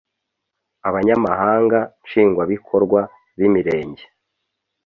Abanyamabanga Nshingwabikorwa b’Imirenge